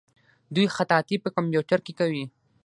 دوی خطاطي په کمپیوټر کې کوي.